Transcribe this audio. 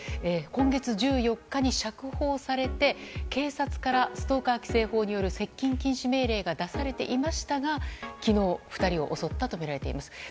今月１４日に釈放されて警察からストーカー規制法による接近禁止命令が出されていましたが、昨日２人を襲ったとみられています。